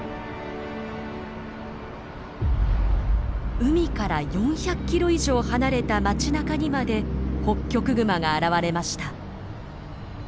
海から４００キロ以上離れた街なかにまでホッキョクグマが現れました。